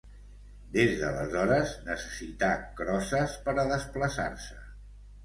Des d'aleshores, necessità crosses per a desplaçar-se.